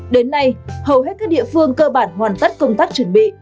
đến nay hầu hết các địa phương cơ bản hoàn tất công tác chuẩn bị